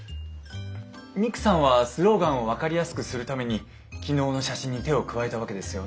ミクさんはスローガンを分かりやすくするために昨日の写真に手を加えたわけですよね？